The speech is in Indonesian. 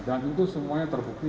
dan itu semuanya terbukti